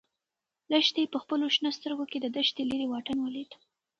لښتې په خپلو شنه سترګو کې د دښتې لیرې واټن ولید.